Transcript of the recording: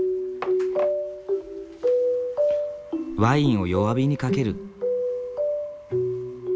ワインを弱火にかける。